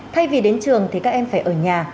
thay vì đến trường thì các em phải ở nhà